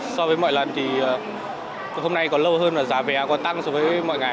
so với mọi lần thì hôm nay còn lâu hơn là giá vé còn tăng so với mọi ngày